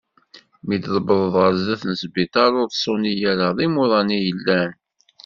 Mi d tewḍeḍ ɣer sdat n sbiṭar ur ttṣuni ara, d imuḍan i yellan.